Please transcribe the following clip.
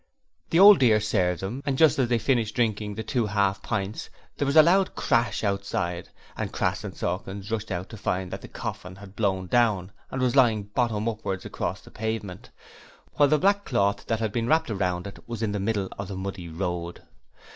The Old Dear served them and just as they finished drinking the two half pints there was a loud crash outside and Crass and Sawkins rushed out and found that the coffin had blown down and was lying bottom upwards across the pavement, while the black cloth that had been wrapped round it was out in the middle of the muddy road.